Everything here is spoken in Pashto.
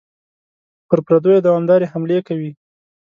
پر پردیو دوامدارې حملې کوي.